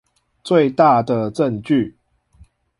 最大的證據